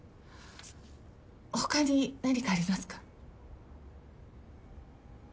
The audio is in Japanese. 他に何かありますか？